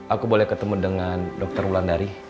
aku boleh ketemu dengan dokter wulandari